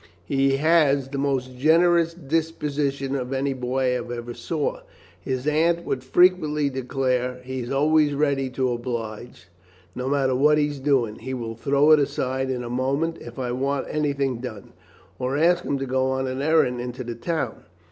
"He has the most generous disposition of any boy I ever saw!" his aunt would frequently declare. "He's always ready to oblige. No matter what he is doing, he will throw it aside in a moment if I want anything done, or ask him to go on an errand into the town.